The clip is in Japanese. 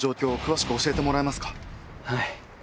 はい。